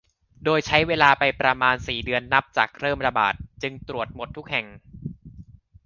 โดยใช้เวลาไปประมาณสี่เดือนนับจากเริ่มระบาด จึงตรวจหมดทุกแห่ง